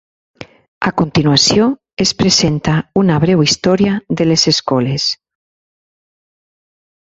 A continuació es presenta una breu història de les escoles.